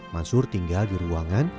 mansur tinggal di ruangan